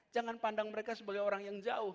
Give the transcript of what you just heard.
jangan pandang mereka sebagai orang yang jauh